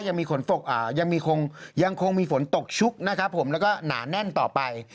ยังคงยังคงมีฝนตกชุกนะครับผมแล้วก็หนาแน่นต่อไป